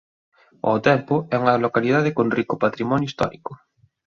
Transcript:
Ao tempo é unha localidade con rico patrimonio histórico.